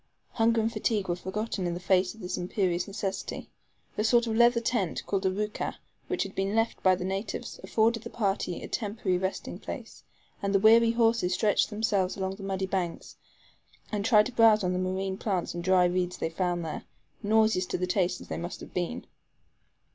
Hunger and fatigue were forgotten in the face of this imperious necessity. A sort of leather tent, called a ROUKAH, which had been left by the natives, afforded the party a temporary resting place, and the weary horses stretched themselves along the muddy banks, and tried to browse on the marine plants and dry reeds they found there nauseous to the taste as they must have been.